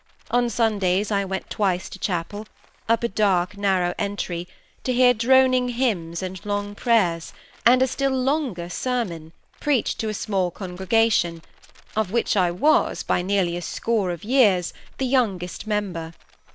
On Sundays I went twice to chapel, up a dark narrow entry, to hear droning hymns, and long prayers, and a still longer sermon, preached to a small congregation, of which I was, by nearly a score of years, the youngest member.